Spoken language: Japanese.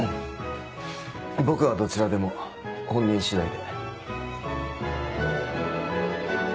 僕はどちらでも本人次第で。